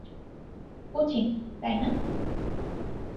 কোচিন, তাই না?